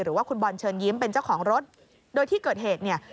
หรือว่าคุณบอลเชิญยิ้มเป็นเจ้าของรถโดยที่เกิดเหตุเนี่ย